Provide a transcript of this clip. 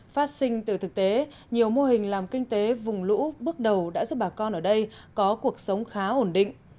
phát sinh từ thực tế nhiều mô hình làm kinh tế vùng lũ bước đầu đã giúp bà con ở đây có cuộc sống khá ổn định